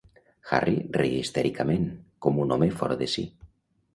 Harry reia histèricament, com un home fora de si.